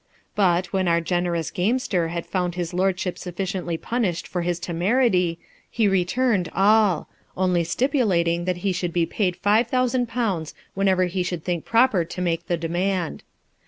But, when our generous gamester had found his lordship sufficiently punished for his temerity, he returned all ; only stipulating, that he should be paid five thousand pounds whenever he should think proper to make the demand.